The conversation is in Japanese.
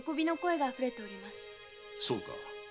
そうか。